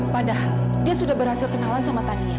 padahal dia sudah berhasil kenalan sama tania